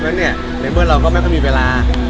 เพราะฉะนั้นเนี่ยเรียนเพิ่มเราก็ไม่ค่อยมีเวลา